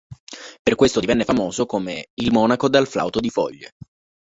Per questo divenne famoso come “il monaco dal flauto di foglie”.